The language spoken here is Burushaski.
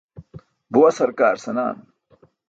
Buwa sarkaar senaan.